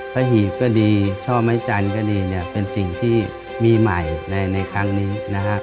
พระหีพก็ดีช่อไม้จันก็ดีเป็นสิ่งที่มีใหม่ในครั้งนี้นะครับ